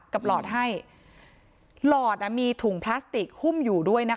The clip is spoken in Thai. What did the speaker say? หลอดให้หลอดมีถุงพลาสติกหุ้มอยู่ด้วยนะคะ